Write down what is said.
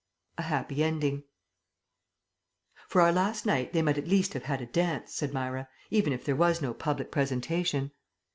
A HAPPY ENDING "For our last night they might at least have had a dance," said Myra, "even if there was no public presentation."